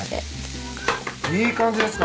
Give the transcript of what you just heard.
いい感じですか？